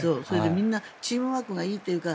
みんなチームワークがいいというか